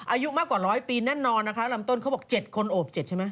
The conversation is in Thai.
ออกหรือเปล่าไม่รู้เนี่ย